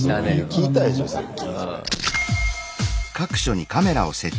聞いたでしょさっき。